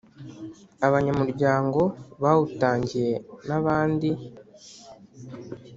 Abanyamuryango bawutangiye n abandi